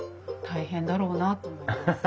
大変だろうなと思います。